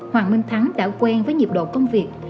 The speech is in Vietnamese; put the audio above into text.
hoàng minh thắng đã quen với nhịp độ công việc